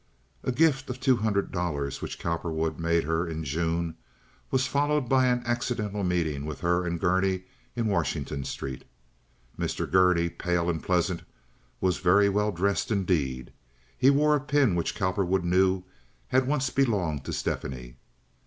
A gift of two hundred dollars, which Cowperwood made her in June, was followed by an accidental meeting with her and Gurney in Washington Street. Mr. Gurney, pale and pleasant, was very well dressed indeed. He wore a pin which Cowperwood knew had once belonged to Stephanie.